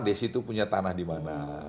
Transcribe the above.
di situ punya tanah dimana